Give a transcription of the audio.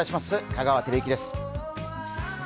香川照之です。